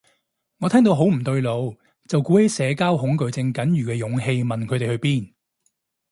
我聽到好唔對路，就鼓起社交恐懼症僅餘嘅勇氣問佢哋去邊